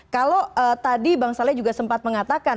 kalau tadi bang saleh juga sempat mengatakan